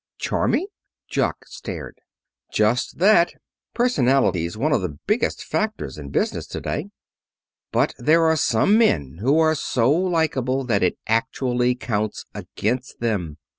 "Charming!" Jock stared. "Just that. Personality's one of the biggest factors in business to day. But there are some men who are so likable that it actually counts against them.